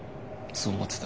そう思ってた。